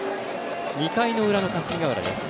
２回の裏の霞ヶ浦です。